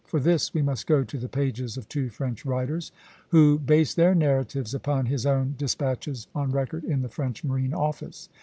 For this we must go to the pages of two French writers, who base their narratives upon his own despatches on record in the French Marine Office.